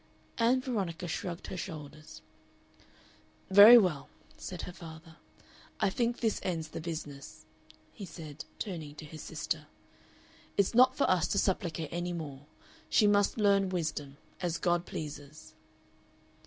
Ann Veronica shrugged her shoulders. "Very well," said her father. "I think this ends the business," he said, turning to his sister. "It's not for us to supplicate any more. She must learn wisdom as God pleases."